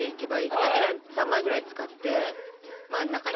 花びら３枚ぐらい使って真ん中に。